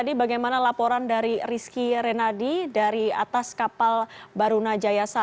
dan bagaimana laporan dari rizky renadi dari atas kapal barunajaya satu